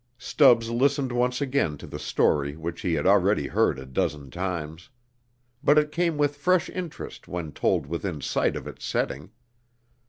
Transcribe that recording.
Stubbs listened once again to the story which he had already heard a dozen times. But it came with fresh interest when told within sight of its setting.